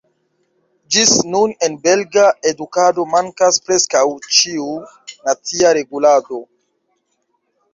Ĝis nun en belga edukado mankas preskaŭ ĉiu nacia regulado.